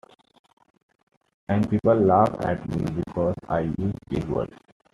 And people laugh at me because I use big words.